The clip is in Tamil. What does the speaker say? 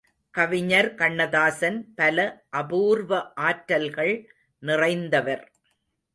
கவிஞர் கண்ணதாசன் பல அபூர்வ ஆற்றல்கள் நிறைந்தவர்.